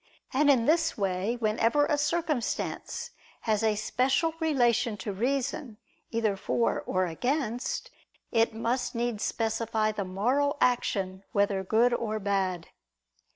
And in this way, whenever a circumstance has a special relation to reason, either for or against, it must needs specify the moral action whether good or bad.